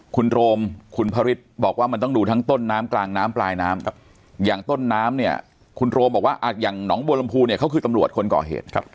คุณโรมคุณพระฤทธิ์บอกว่ามันต้องดูทั้งต้นน้ำกลางน้ำปลายน้ำอย่างต้นน้ำเนี่ยคุณโรมบอกว่าอย่างหนองบัวลำพูเนี่ยเขาคือตำรวจคนก่อเหตุ